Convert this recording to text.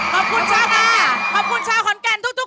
ขอบคุณชาวค่ะขอบคุณชาวขอนแก่นทุกคนเลยค่ะ